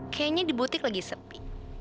kayaknya di butik lagi sepi